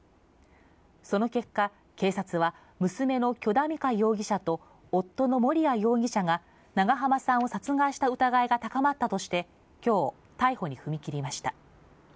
その結果、警察は娘の許田美香容疑者と、夫の盛哉容疑者が、長浜さんを殺害した疑いが高まったとして、きょう、逮捕に踏み切りました。